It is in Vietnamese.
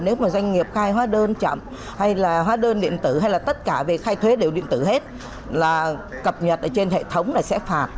nếu mà doanh nghiệp khai hóa đơn chậm hay là hóa đơn điện tử hay là tất cả về khai thuế đều điện tử hết là cập nhật ở trên hệ thống là sẽ phạt